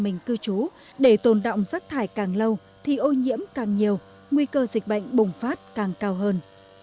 nếu động sắc thải càng lâu thì ô nhiễm càng nhiều nguy cơ dịch bệnh bùng phát càng cao hơn